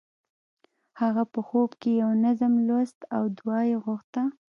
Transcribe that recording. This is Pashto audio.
هغه په خوب کې یو نظم لوست او دعا یې غوښته